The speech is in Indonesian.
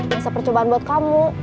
masa percobaan buat kamu